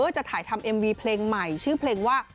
จะถ่ายทำเอ็มวีเพลงใหม่ชื่อเพลงว่า